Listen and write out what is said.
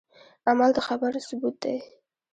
عمل د خبرو ثبوت دی